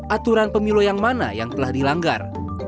aturan pemilu yang mana yang telah dilanggar